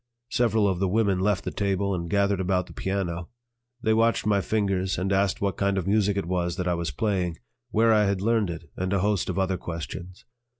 Several of the women left the table and gathered about the piano. They watched my fingers and asked what kind of music it was that I was playing, where I had learned it, and a host of other questions.